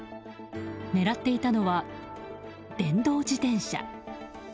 狙っていたのは電動自転車。